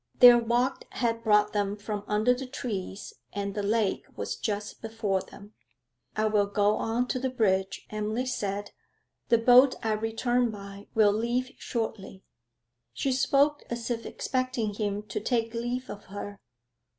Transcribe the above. Their walk had brought them from under the trees, and the lake was just before them. 'I will go on to the bridge,' Emily said. 'The boat I return by will leave shortly.' She spoke as if expecting him to take leave of her.